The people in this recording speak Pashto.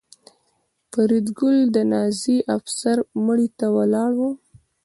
فریدګل د نازي افسر مړي ته ولاړ و